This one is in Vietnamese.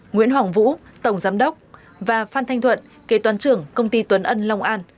nguyễn hoàng vũ tổng giám đốc và phan thanh thuận kế toán trưởng công ty tuấn ân long an